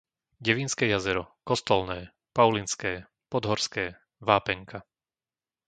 Devínske Jazero, Kostolné, Paulinské, Podhorské, Vápenka